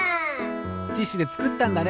ティッシュでつくったんだね。